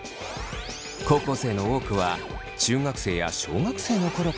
高校生の多くは中学生や小学生の頃から。